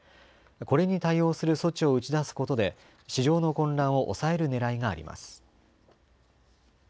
これに対応する措置を打ち出すことで市場の混乱を抑えるねらいがあります。